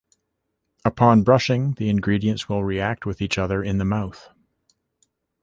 Upon brushing, the ingredients will react with each other in the mouth.